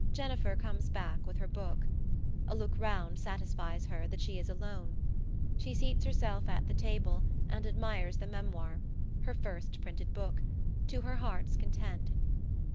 Jennifer comes back with her book. A look round satisfies her that she is alone. She seats herself at the table and admires the memoir her first printed book to her heart's content.